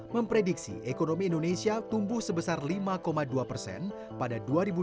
memprediksi ekonomi indonesia tumbuh sebesar lima dua persen pada dua ribu dua puluh